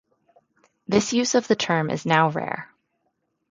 This use of the term is now rare.